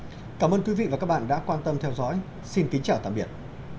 ngân hàng trung ương nhật bản quyết định vẫn giữ nguyên chính sách tiền tệ của các ngân hàng